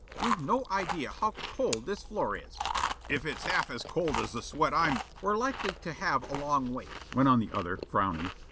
You've no idea how cold this floor is." "If it's half as cold as the sweat I'm " "We're likely to have a long wait," went on the other, frowning.